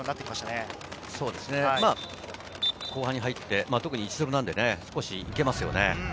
後半に入って、特に１−０なので行けますよね。